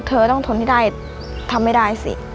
เธอต้องทนให้ได้ทำไม่ได้สิ